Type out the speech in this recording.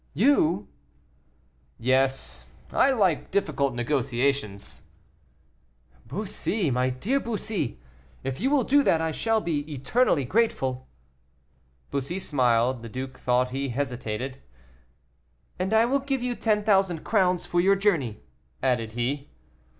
"You!" "Yes, I like difficult negotiations." "Bussy, my dear Bussy, if you will do that, I shall be eternally grateful." Bussy smiled. The duke thought he hesitated. "And I will give you ten thousand crowns for your journey," added he.